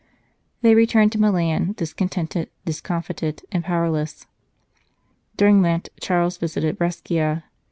They returned to Milan discontented, discom fited, and powerless. During Lent Charles visited Brescia.